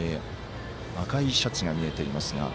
赤いシャツが見えていますが。